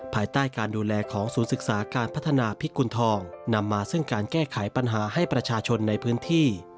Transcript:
ภายใต้การดูแลของศูนย์ศึกษาการพัฒนาพิกุณฑองนำมาซึ่งการแก้ไขปัญหาให้ประชาชนในพื้นที่